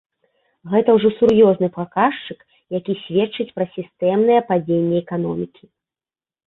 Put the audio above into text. Гэта ўжо сур'ёзны паказчык, які сведчыць пра сістэмнае падзенне эканомікі.